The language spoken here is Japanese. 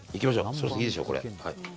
そろそろいいでしょう。